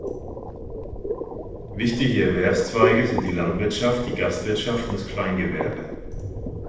Wichtige Erwerbszweige sind die Landwirtschaft, die Gastwirtschaft und das Kleingewerbe.